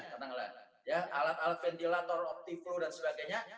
karena alat alat ventilator opti flu dan sebagainya